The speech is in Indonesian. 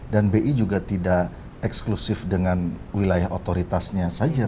dan bi juga tidak eksklusif dengan wilayah otoritasnya saja